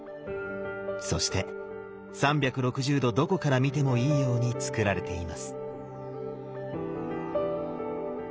そして３６０度どこから見てもいいようにつくられています。